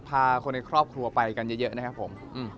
พาคนในครอบครัวไปกันเยอะนะครับผม